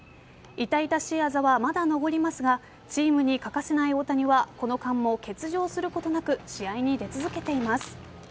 痛々しいあざはまだ残りますがチームに欠かせない大谷はこの間も欠場することなく試合に出続けています。